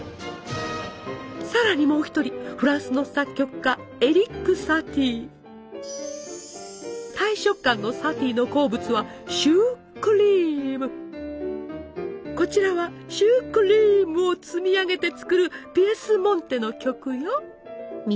さらにもう一人フランスの作曲家大食漢のサティの好物はこちらはシュークリームを積み上げて作る「ピエスモンテ」の曲よ。